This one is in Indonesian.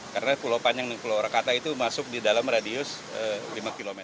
karena pulau panjang dan pulau rakata itu masuk di dalam radius lima km